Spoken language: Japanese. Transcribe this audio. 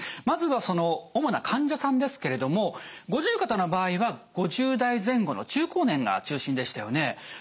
まずは主な患者さんですけれども五十肩の場合は５０代前後の中高年が中心でしたよね。